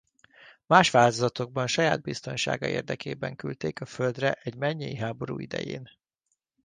Más változatokban saját biztonsága érdekében küldték a Földre egy mennyei háború idején.